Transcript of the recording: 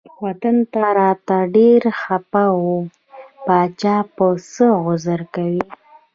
وطن ته راته ډیر خپه و پاچا ته به څه عذر کوم.